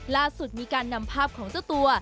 ล่าสุดมีการนำภาพของเจ้าตัว